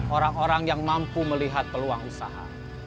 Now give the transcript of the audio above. orang orang yang mampu melihat peluang usaha